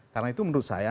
karena itu menurut saya